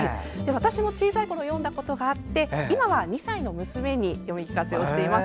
私も小さいころ読んだことがあって今は２歳の娘に読み聞かせています。